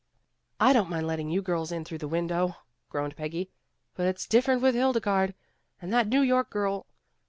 "I don't mind letting you girls in through the window," groaned Peggy. "But it's dif ferent with Hildegarde. And that New York girl.